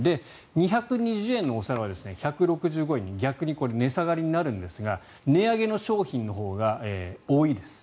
２２０円のお皿は１６５円に逆に値下がりになるんですが値上げの商品のほうが多いです。